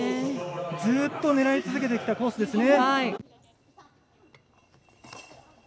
ずっと狙い続けてきたコースですね。